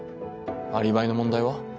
アリバイの問題は？